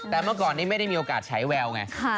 แต่เมื่อก่อนนี้ไม่ได้มีโอกาสใช้แววไง